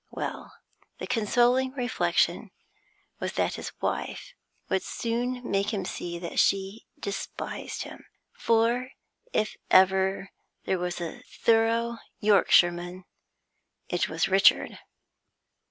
Well, the consoling reflection was that his wife would soon make him see that she despised him, for if ever there was a thorough Yorkshireman, it was Richard.